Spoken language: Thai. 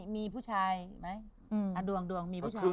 มีผู้ชายไหมดวงดวงมีผู้ชาย